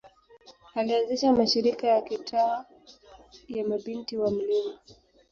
Alianzisha mashirika ya kitawa ya Mabinti wa Mt.